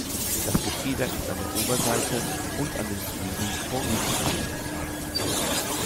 Das Gefieder ist an der Oberseite und an den Flügeln vorwiegend weiß gefärbt.